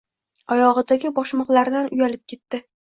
Oyog`idagi bogshmoqlaridan uyalib ketdi